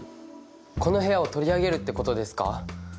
この部屋を取り上げるってことですか？